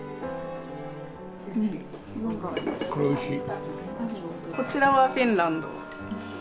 ・これおいしい。